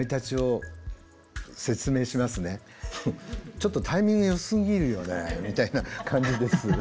ちょっとタイミングよすぎるよねみたいな感じです。